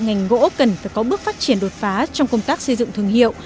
ngành gỗ cần phải có bước phát triển đột phá trong công tác xây dựng thương hiệu